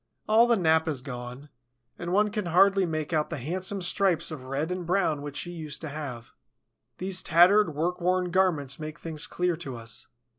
All the nap is gone; and one can hardly make out the handsome stripes of red and brown which she used to have. These tattered, work worn garments make things clear to us.